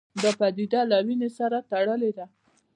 دا پدیده له وینې سره تړلې ده